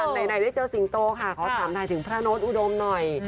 ไหนได้เจอสิงโตค่ะขอถามถ่ายถึงพระโน้ตอุดมหน่อย